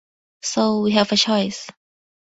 So—we have a choice.